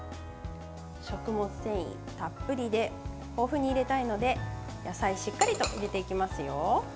食物繊維たっぷりで豊富に入れたいので野菜しっかりと入れていきますよ。